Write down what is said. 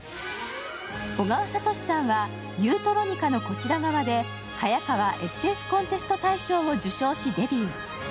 小川哲さんは「ユートロニカのこちら側」でハヤカワＳＦコンテスト大賞を受賞し、デビュー。